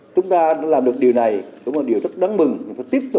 chúng ta đã làm được điều này cũng là điều rất đáng mừng chúng ta tiếp tục